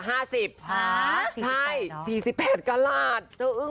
ห้า๔๘ก็ลาด